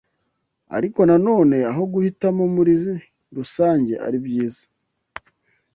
Ariko na none, aho guhitamo muri rusange ari byiza